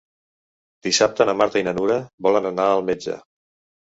Dissabte na Marta i na Nura volen anar al metge.